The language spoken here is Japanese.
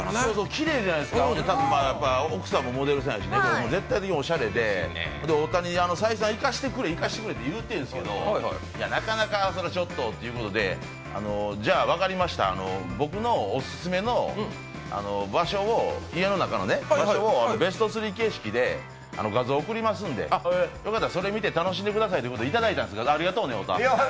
きれいじゃないですか奥さんもモデルやし絶対的におしゃれで、太田に再三、行かせてくれと言っているんですけど、なかなかちょっとということでじゃあ分かりましたと僕のオススメの家の中の場所をベスト３形式で画像を送りますのでよかったら、それ見て楽しんでくださいということでいただいたんですけど、ありがとうね、太田。